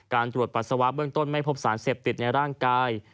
ตรวจปัสสาวะเบื้องต้นไม่พบสารเสพติดในร่างกาย